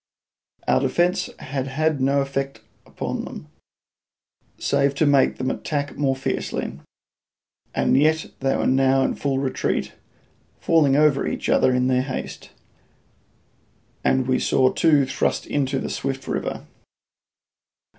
Our defence had had no effect upon them, save to make them attack more fiercely. And yet they were now in full retreat, falling over each other in their haste, and we saw two thrust into the swift river.